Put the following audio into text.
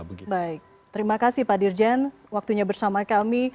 baik terima kasih pak dirjen waktunya bersama kami